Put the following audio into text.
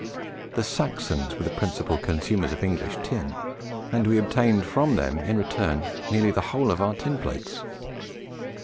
The Saxons were the principal consumers of English tin, and we obtained from them in return nearly the whole of our tin plates.